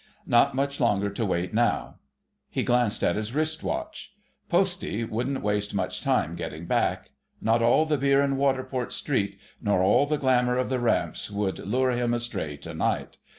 Not much longer to wait now. He glanced at his wrist watch. "Postie" wouldn't waste much time getting back. Not all the beer in Waterport Street nor all the glamour of the "Ramps" would lure him astray to night.